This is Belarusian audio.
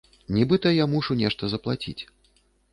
Нібыта я мушу нешта заплаціць.